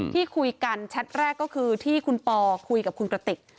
ที่คุยกันแชทแรกก็คือที่คุณปอคุยกับคุณกระติก